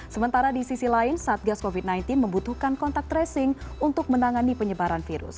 sementara di sisi lain satgas covid sembilan belas membutuhkan kontak tracing untuk menangani penyebaran virus